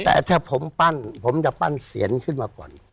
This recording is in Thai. แต่ถ้าผมปั้นผมจะปั้นเสียนขึ้นมาก่อน